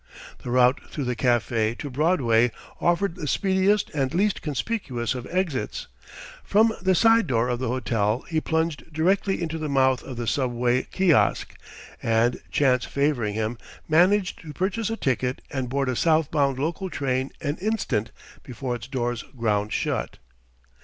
The route through the café to Broadway offered the speediest and least conspicuous of exits. From the side door of the hotel he plunged directly into the mouth of the Subway kiosk and, chance favouring him, managed to purchase a ticket and board a southbound local train an instant before its doors ground shut.